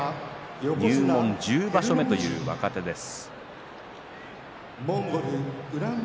入門１０場所目という若手です。